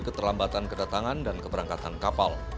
keterlambatan kedatangan dan keberangkatan kapal